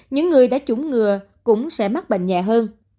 những người đã chủng ngừa cũng sẽ mắc bệnh nhẹ hơn